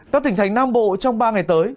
các tỉnh thành nam bộ trong ba ngày tới